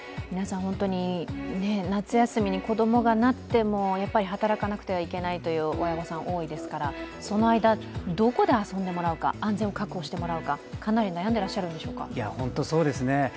夏休みに子供がなっても働かなくてはいけないという親御さん、多いですからその間、そこで遊んでもらうか安全を確保してもらうかかなり悩んでいらっしゃるんでしょうか。